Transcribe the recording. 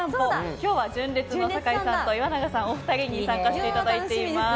今日は純烈の酒井さんと岩永さんお二人に参加していただきます。